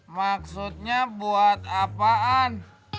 maksudnya buat apaan